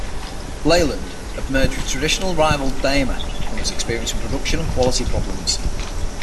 Leyland had merged with traditional rival Daimler and was experiencing production and quality problems.